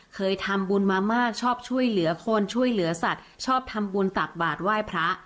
เคยทำบุญมามากชอบช่วยเหลือคนช่วยเหลือสัตว์ชอบทำบุญตักบาทไหว้พระ